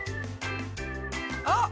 あっ！